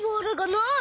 ない！